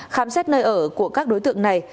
tạm xét nơi ở của các đối tượng này